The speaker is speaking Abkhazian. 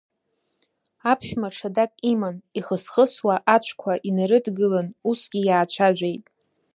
Аԥшәма ҽадак иман, ихыс-хысуа ацәқәа инарыдгылан, усгьы иаацәажәеит…